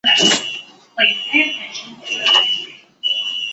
水库东岸有红军岩。